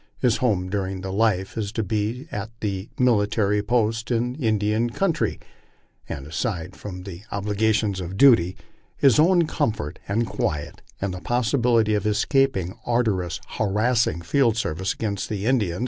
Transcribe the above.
Ilia home during his life is to be at some military post in the Indian country, and aside from the obli gations of duty, his own comfort and quiet, and the possibility of escaping arduous and harassing field service against Indian?